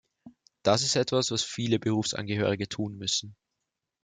Das ist etwas, was viele Berufsangehörige tun müssen.